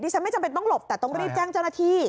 ฉันไม่จำเป็นต้องหลบแต่ต้องรีบแจ้งเจ้าหน้าที่